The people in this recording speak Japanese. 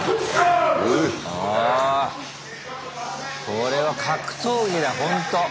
これは格闘技だほんと。